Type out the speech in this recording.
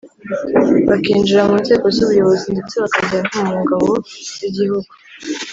bakinjira mu nzego z’ubuyobozi ndetse bakajya no mu ngabo z’igihugu.